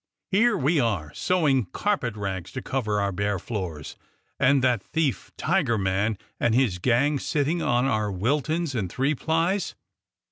Here we are sewing carpet rags to cover our bare floors, and that thief, Tigerman, and his gang sitting on our Wiltons and three plies!